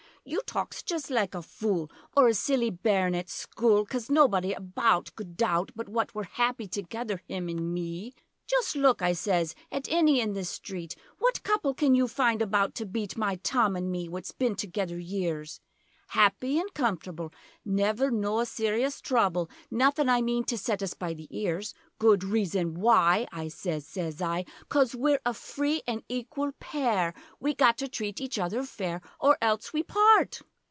You talks just like a fool Or a silly bairn at school Coz nobody about could doubt, But what we're happy together him an' me; Just look,' I sez, 'at any in this street What couple can you find about to beat My Tom an' me what's bin together years, Happy an' comfortable; Never noa serious trouble Nuthin' I mean to set us by the ears Good reason why!' I sez sez I 'Coz we're a free an' equal pair; We got to treat each other fair Or else we part.'